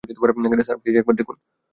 Sir, please একবার দেখুন।